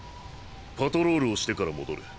パトロールをしてから戻る。